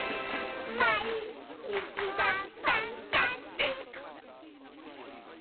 「まいにちがパンタスティック！」